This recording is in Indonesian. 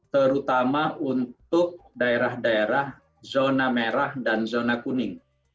terutama untuk daerah daerah zona merah dan zona kuning